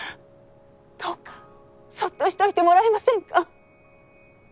どうかそっとしておいてもらえませんか？